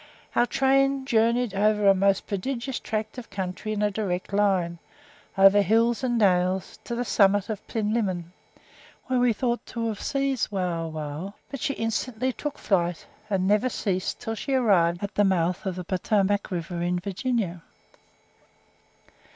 Our train journeyed over a most prodigious tract of country in a direct line, over hills and dales, to the summit of Plinlimmon, where we thought to have seized Wauwau; but she instantly took flight, and never ceased until she arrived at the mouth of the Potomac river in Virginia.